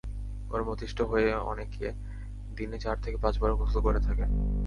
গরমে অতিষ্ঠ হয়ে অনেকে দিনে চার থেকে পাঁচবারও গোসল করে থাকেন।